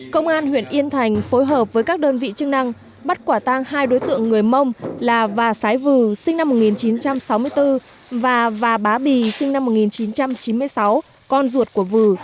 công an huyện yên thành phối hợp với các đơn vị chức năng bắt quả tang hai đối tượng người mông là và sái vừ sinh năm một nghìn chín trăm sáu mươi bốn và bá bì sinh năm một nghìn chín trăm chín mươi sáu con ruột của vừ